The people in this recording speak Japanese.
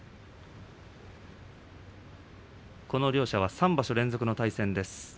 この両者３場所連続の対戦です。